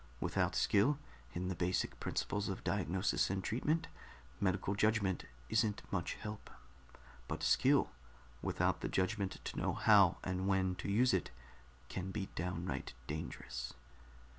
"Without skill in the basic principles of diagnosis and treatment, medical judgment isn't much help, but skill without the judgment to know how and when to use it can be downright dangerous.